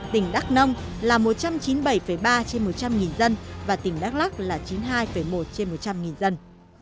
tỉnh đắk nông là một trăm chín mươi bảy ba trên một trăm linh dân và tỉnh đắk lắc là chín mươi hai một trên một trăm linh dân